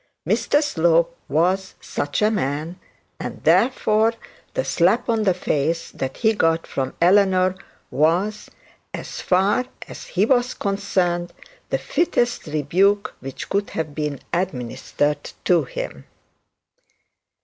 Mr Slope was such a man; and, therefore, the slap on that face that he got from Eleanor was, as far as he was concerned, the fittest rebuke which could have been administered to him.